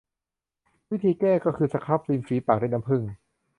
วิธีแก้ก็คือสครับริมฝีปากด้วยน้ำผึ้ง